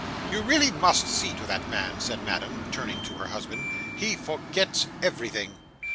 'You really must see to that man,' said Madame, turning to her husband. 'He forgets everything.